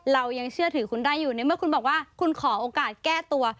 เรายังเชื่อถือคุณได้อยู่ในเมื่อคุณบอกว่าคุณขอโอกาสแก้ตัว